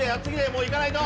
もういかないと！